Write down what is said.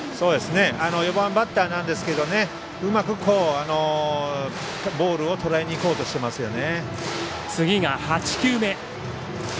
４番バッターなんですけどうまくボールをとらえにいこうとしていますね。